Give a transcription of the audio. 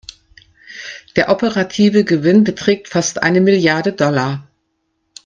Der operative Gewinn beträgt fast eine Milliarde Dollar.